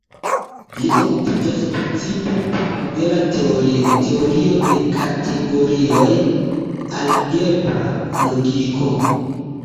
Li okupiĝas precipe pri modela teorio, teorio de kategorioj, algebra logiko.